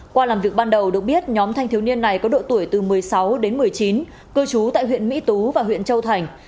qua làm việc ban đầu được biết nhóm thanh thiếu niên này có độ tuổi từ một mươi sáu đến một mươi chín cư trú tại huyện mỹ tú và huyện châu thành